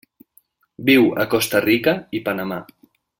Viu a Costa Rica i Panamà.